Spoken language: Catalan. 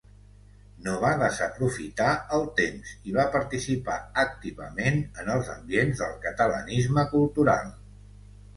No va desaprofitar el temps i va participar activament en els ambients del catalanisme cultural.